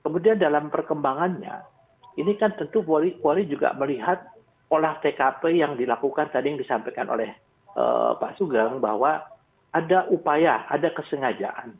kemudian dalam perkembangannya ini kan tentu polri juga melihat olah tkp yang dilakukan tadi yang disampaikan oleh pak sugeng bahwa ada upaya ada kesengajaan